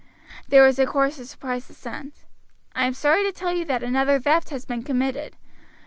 There was a chorus of surprised assent. "I am sorry to tell you that another theft has been committed.